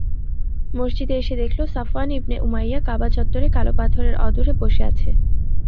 মসজিদে এসে দেখল, সাফওয়ান ইবনে উমাইয়া কাবা চত্বরে কালো পাথরের অদূরে বসে আছে।